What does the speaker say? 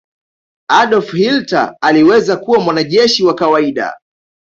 adolf hilter aliweza kuwa mwanajeshi wa kawaida